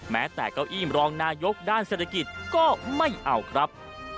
แม้แต่เก้าอี้มรองนายกด้านเศรษฐกิจก็ไม่เอาครับ